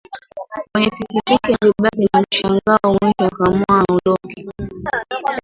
Mwenye pikipiki alibaki na mshangao mwisho akaamua aondoke